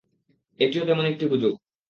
এটিও তেমনই একটি গুজব।